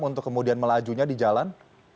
untuk kemudian melajunya di jalan